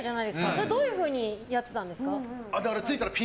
それはどういうふうにやってたんですか？